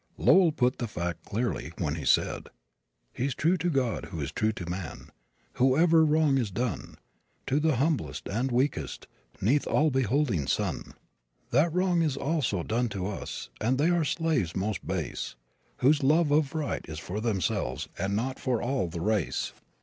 Lowell put the fact clearly when he said: He's true to God who's true to man; Wherever wrong is done To the humblest and weakest 'Neath the all beholding sun, That wrong is also done to us; And they are slaves most base Whose love of right is for themselves, And not for all the race.